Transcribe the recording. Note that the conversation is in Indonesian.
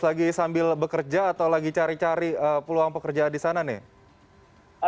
jadi kamu lagi kerja atau lagi cari cari peluang pekerjaan di sana nih